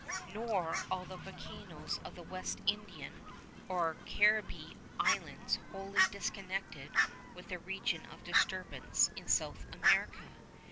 Nor are the volcanoes of the West Indian or Caribbee Islands wholly disconnected with the region of disturbance in Southern America.